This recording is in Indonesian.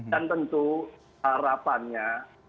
dan tentu harapannya